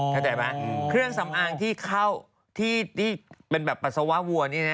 เข้าใจไหมเครื่องสำอางที่เข้าที่เป็นแบบปัสสาวะวัวนี่นะ